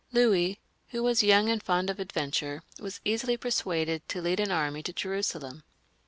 Louis, who was young and fond of adventure, was easily persuaded to lead an army to Jerusalem.